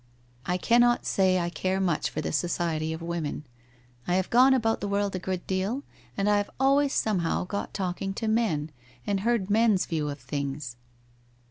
I cannot say I care much for the society of women. I have gone about the world a good deal, and I have always some how got talking to men, and heard men's view of things